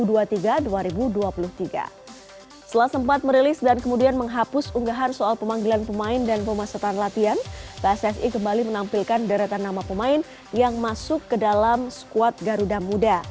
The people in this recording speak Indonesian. setelah sempat merilis dan kemudian menghapus unggahan soal pemanggilan pemain dan pemasutan latihan pssi kembali menampilkan deretan nama pemain yang masuk ke dalam skuad garuda muda